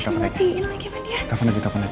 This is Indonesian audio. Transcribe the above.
tepan lagi tepan lagi